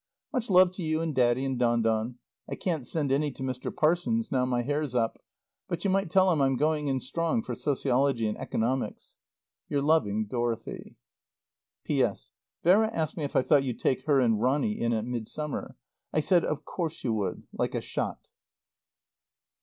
Much love to you and Daddy and Don Don. I can't send any to Mr. Parsons now my hair's up. But you might tell him I'm going in strong for Sociology and Economics. Your loving DOROTHY. P.S. Vera asked me if I thought you'd take her and Ronny in at Midsummer. I said of course you would like a shot.